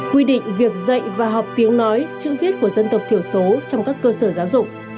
quy định việc dạy và học tiếng nói chữ viết của dân tộc thiểu số trong các cơ sở giáo dục